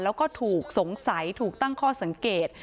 แล้วก็ถูกสงสัยถูกตั้งข้อสังเกต